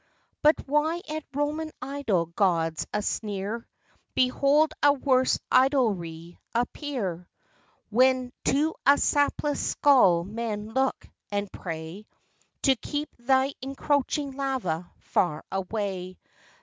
But why at Roman idol gods a sneer, Behold a worse idolatry appear, When to a sapless skull men look, and pray, To keep th ? encroaching lava far away.